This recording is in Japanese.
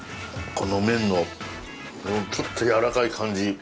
この麺のちょっとやわらかい感じ。